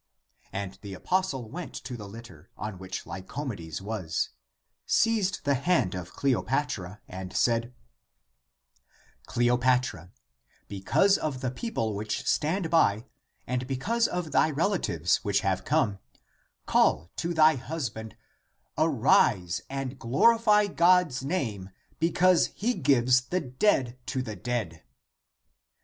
And the apostle went to the litter, on which Lyco medes was, seized the hand of Cleopatra, and said, " Cleopatra, because of the people which stand by and because of thy relatives which have come, call to thy husband, * Arise, and glorify God's name, be cause He gives the dead to the dead